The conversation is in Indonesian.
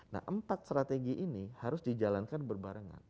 nah empat strategi ini harus dijalankan berbarengan